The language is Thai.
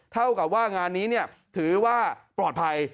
เท่ากับว่างานนี้ถือว่าปลอดภัย